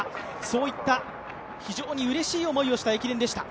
そういった非常にうれしい思いをした駅伝でした。